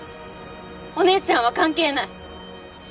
お姉ちゃんは関係ない！